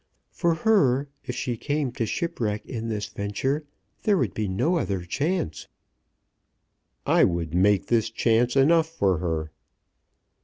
For her, if she came to shipwreck in this venture, there would be no other chance." "I would make this chance enough for her."